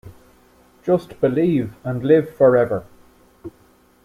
Just believe, and live forever.